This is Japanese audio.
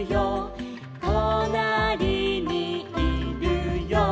「となりにいるよ」